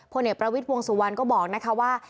เอกประวิทย์วงสุวรรณก็บอกนะคะว่า